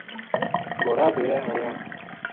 گھوڑا ڈیرے آنیا ں